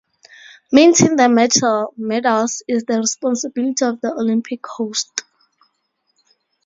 Minting the medals is the responsibility of the Olympic host.